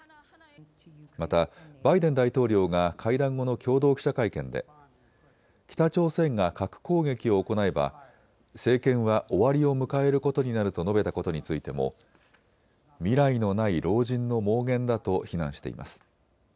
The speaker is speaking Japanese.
またバイデン大統領が会談後の共同記者会見で北朝鮮が核攻撃を行えば政権は終わりを迎えることになると述べたことについても未来のない老人の妄言だと非難しています。